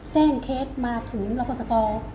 แจ้งเคสมาถึงละครสตร